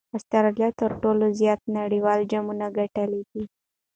اسټراليا تر ټولو زیات نړۍوال جامونه ګټلي دي.